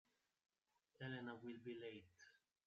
Elena will be late.